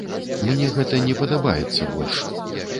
Мне гэта не падабаецца больш.